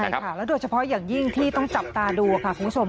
ใช่ค่ะแล้วโดยเฉพาะอย่างยิ่งที่ต้องจับตาดูค่ะคุณผู้ชม